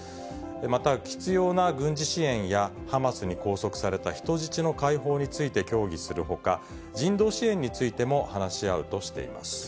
また必要な軍事支援やハマスに拘束された人質の解放について協議するほか、人道支援についても話し合うとしています。